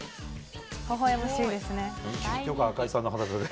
ほほ笑ましいですね。